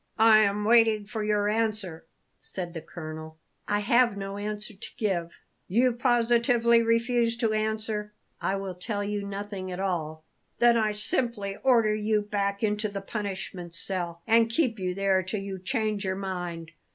"I am waiting for your answer," said the colonel. "I have no answer to give." "You positively refuse to answer?" "I will tell you nothing at all." "Then I must simply order you back into the punishment cell, and keep you there till you change your mind.